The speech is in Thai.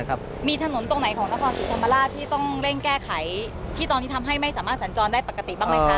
ที่ต้องเร่งแก้ไขที่ตอนนี้ทำให้ไม่สามารถสัญจรได้ปกติบ้างไหมคะ